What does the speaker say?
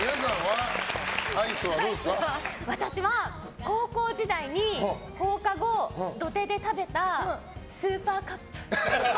私は高校時代に放課後土手で食べたスーパーカップ。